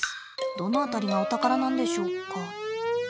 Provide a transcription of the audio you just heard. どの辺りがお宝なんでしょうか。